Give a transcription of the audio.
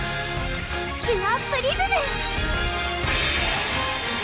キュアプリズム！